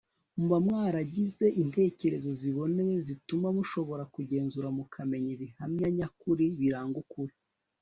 muba mwaragize intekerezo ziboneye zituma mushobora kugenzura mukamenya ibihamya nyakuri biranga ukuri